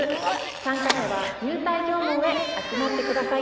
参加者は入退場門へ集まってください」。